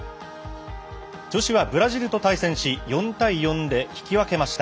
女子はブラジルと対戦し４対４で引き分けました。